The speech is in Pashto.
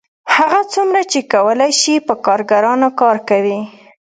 هغه څومره چې کولی شي په کارګرانو کار کوي